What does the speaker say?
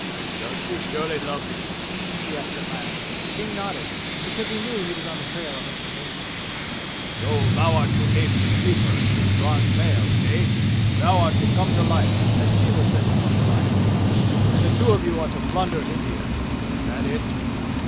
"Does she surely love thee?" he asked at last, and King nodded, because he knew he was on the trail of information. "So thou art to ape the Sleeper in his bronze mail, eh? Thou art to come to life, as she was said to come to life, and the two of you are to plunder India? Is that it?"